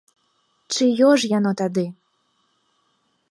Чыё ж яно тады?